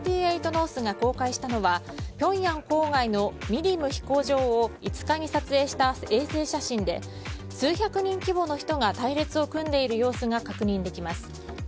ノースが公開したのはピョンヤン郊外の美林飛行場を５日に撮影した衛星写真で数百人規模の人が隊列を組んでいる様子が確認できます。